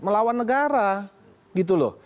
melawan negara gitu loh